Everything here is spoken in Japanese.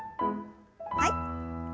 はい。